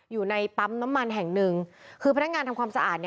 อยู่ในปั๊มน้ำมันแห่งหนึ่งคือพนักงานทำความสะอาด